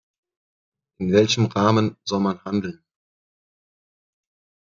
In welchem Rahmen soll man handeln?